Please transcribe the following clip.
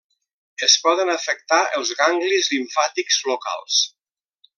Es poden afectar els ganglis limfàtics locals.